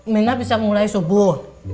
minah bisa mulai subuh